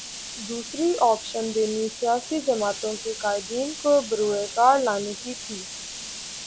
دوسری آپشن دینی سیاسی جماعتوں کے قائدین کو بروئے کار لانے کی تھی۔